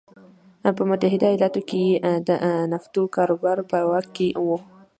په متحده ایالتونو کې یې د نفتو کاروبار په واک کې و.